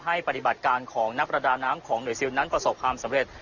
ปฏิบัติการของนักประดาน้ำของหน่วยซิลนั้นประสบความสำเร็จ